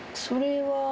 それは。